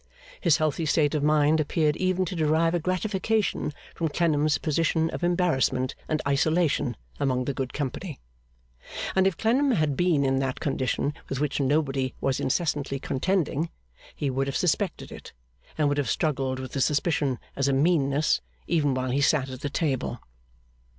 His healthy state of mind appeared even to derive a gratification from Clennam's position of embarrassment and isolation among the good company; and if Clennam had been in that condition with which Nobody was incessantly contending, he would have suspected it, and would have struggled with the suspicion as a meanness, even while he sat at the table.